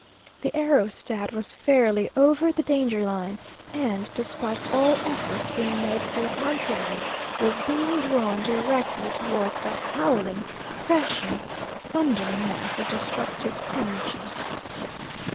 The aerostat was fairly over the danger line, and, despite all efforts being made to the contrary, was being drawn directly towards that howling, crashing, thundering mass of destructive energy.